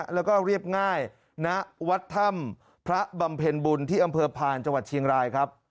แล้วก็เรียบง่ายณวัดถ้ำพระบำเพ็ญบุญที่อำเภอพานจังหวัดเชียงรายครับ